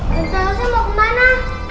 dosa dosa mau kemana